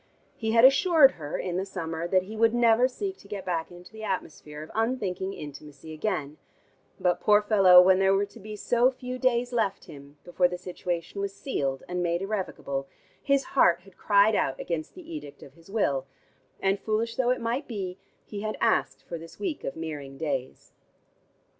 He had assured her in the summer that he would never seek to get back into the atmosphere of unthinking intimacy again, but, poor fellow, when there were to be so few days left him, before the situation was sealed and made irrevocable, his heart had cried out against the edict of his will and, foolish though it might be, he had asked for this week of Meering days.